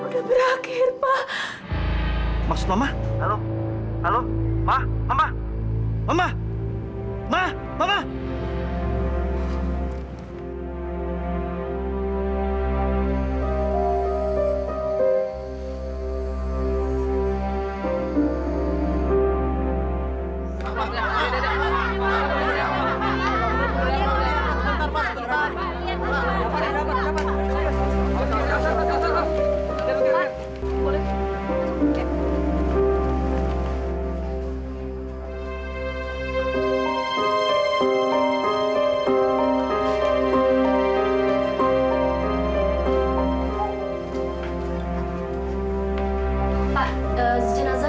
tolong pintu pintu itu